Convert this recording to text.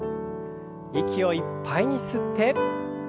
息をいっぱいに吸って。